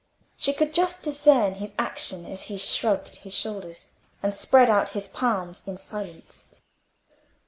She could just discern his action as he shrugged his shoulders, and spread out his palms in silence.